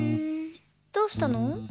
どうしたの？